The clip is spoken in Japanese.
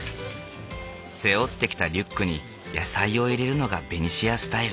背負ってきたリュックに野菜を入れるのがベニシアスタイル。